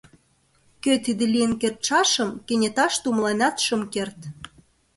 Кӧ тиде лийын кертшашым кенеташте умыленат шым керт.